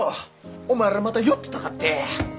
お前らまた寄ってたかって。